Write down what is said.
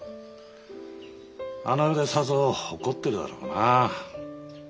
あの世でさぞ怒ってるだろうなあ。